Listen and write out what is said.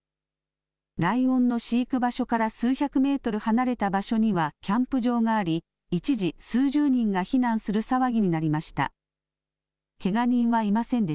ライオンの飼育場所から数百メートル離れた場所にはキャンプ場があり、一時、数十人が避難する騒ぎになりました。